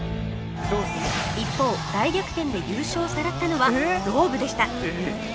一方大逆転で優勝をさらったのはローブでした！